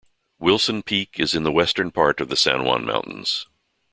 Wilson Peak is in the western part of the San Juan Mountains.